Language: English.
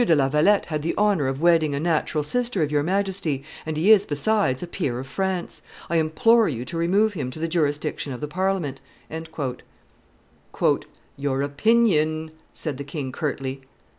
de La Valette had the honor of wedding a natural sister of your Majesty, and he is, besides, a peer of France; I implore you to remove him to the jurisdiction of the Parliament." "Your opinion!" said the king, curtly.